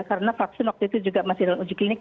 karena vaksin waktu itu juga masih dalam uji klinik